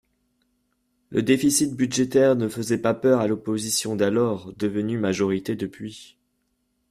Le déficit budgétaire ne faisait pas peur à l’opposition d’alors, devenue majorité depuis.